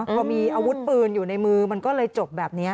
พอมีอาวุธปืนอยู่ในมือมันก็เลยจบแบบนี้